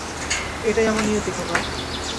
এটাই আমার নিয়তি, খোকা।